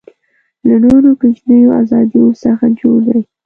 له نورو کوچنیو آزادیو څخه جوړ دی.